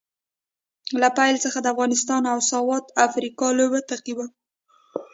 له پیل څخه د افغانستان او ساوت افریقا لوبه تعقیبوم